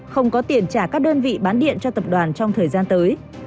không có tiền trả các đơn vị bán điện cho tập đoàn trong thời gian tới